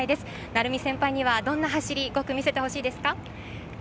成美先輩にはどんな走りを見せてほしいですか？